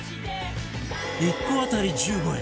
１個当たり１５円！